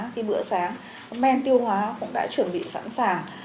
khi bữa sáng men tiêu hóa cũng đã chuẩn bị sẵn sàng